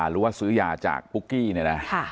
หรือว่าซื้อยาจากปุ๊กกี้เนี่ยนะ